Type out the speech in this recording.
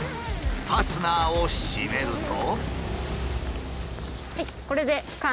ファスナーを閉めると。